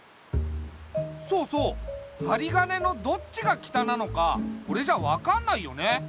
そうそうはりがねのどっちが北なのかこれじゃ分かんないよね。